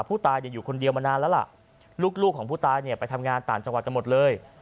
ผู้ตายอยู่คนเดียวมานานแล้วล่ะลูกของผู้ตายเนี่ยไปทำงานต่างจังหวัดกันหมดเลย